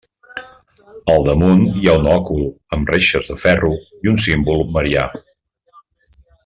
Al damunt hi ha un òcul amb reixes de ferro i un símbol marià.